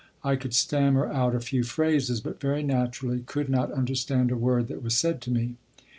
I could stammer out a few phrases, but, very naturally, could not understand a word that was said to me.